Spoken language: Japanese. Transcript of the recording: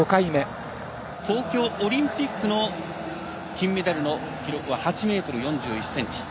東京オリンピックの金メダルの記録は８ｍ４１ｃｍ。